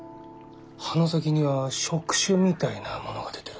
葉の先には触手みたいなものが出てる。